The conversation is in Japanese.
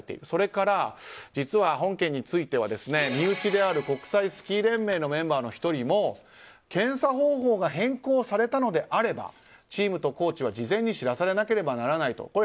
それから、実は本件については身内である国際スキー連盟のメンバーの１人も検査方法が変更されたのであればチームとコーチは事前に知らされなければならないと。